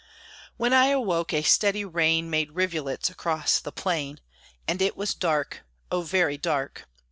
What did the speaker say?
When I awoke, a steady rain Made rivulets across the plain; And it was dark oh, very dark.